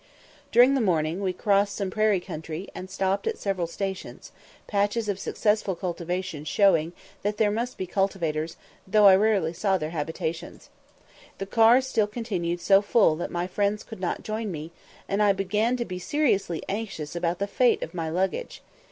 During the morning we crossed some prairie country, and stopped at several stations, patches of successful cultivation showing that there must be cultivators, though I rarely saw their habitations. The cars still continued so full that my friends could not join me, and I began to be seriously anxious about the fate of my luggage.